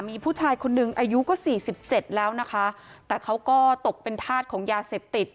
มีผู้ชายคนหนึ่งอายุก็สี่สิบเจ็ดแล้วนะคะแต่เขาก็ตกเป็นธาตุของยาเสพติด